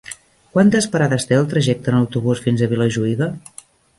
Quantes parades té el trajecte en autobús fins a Vilajuïga?